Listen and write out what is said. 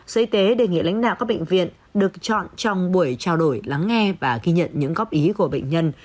sở y tế đề nghị lãnh đạo các bệnh viện được chọn trong buổi trao đổi lắng nghe và ghi nhận những góp ý của bệnh nhân